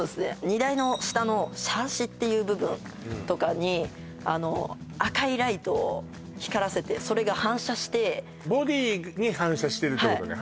荷台の下のシャーシっていう部分とかに赤いライトを光らせてそれが反射してボディーに反射してるってことね